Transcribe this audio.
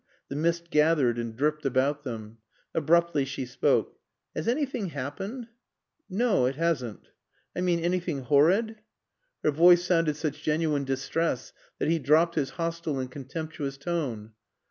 The mist gathered and dripped about them. Abruptly she spoke. "Has anything happened?" "No, it hasn't." "I mean anything horrid?" Her voice sounded such genuine distress that he dropped his hostile and contemptuous tone.